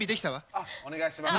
あっお願いします。